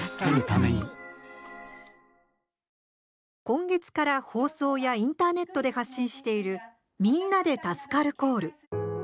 今月から放送やインターネットで発信しているみんなで助かるコール。